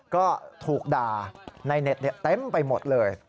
ก็ถูกด่าในเน็ตเต็มไปหมดเลย